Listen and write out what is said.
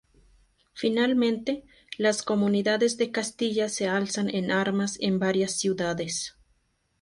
Finalmente, las Comunidades de Castilla se alzan en armas en varias ciudades.